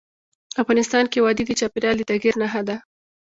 افغانستان کې وادي د چاپېریال د تغیر نښه ده.